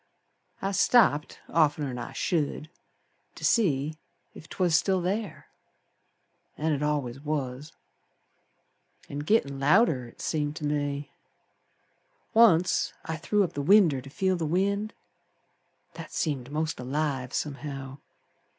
I stopped oftener'n I should To see ef 'twas still ther, An' it al'ays was. An' gittin' louder It seemed ter me. Once I threw up the winder to feel the wind. That seemed most alive somehow.